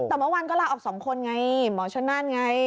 แต่เมื่อวานก็ลาออกสองคนไงหมอชนนั่นไง